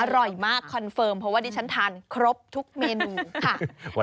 อร่อยมากคอนเฟิร์มเพราะว่าดิฉันทานครบทุกเมนูค่ะ